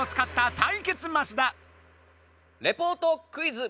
リポートクイズ